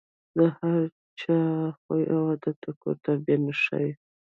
د هر چا خوی او عادت د کور تربیه ښيي.